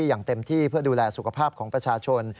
อย่างเต็มที่เพื่อดูแลสุขภาพของประชาชน